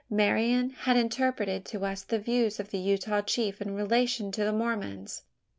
Marian had interpreted to us the views of the Utah chief in relation to the Mormons.